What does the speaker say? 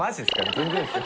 全然ですよ。